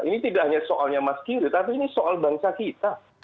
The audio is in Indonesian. ini tidak hanya soalnya mas kiri tapi ini soal bangsa kita